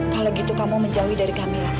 kalau gitu kamu menjauhi dari kami